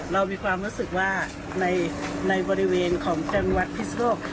เรามีความรู้สึกว่าในบริเวณของจังหวัดพิศนุโลก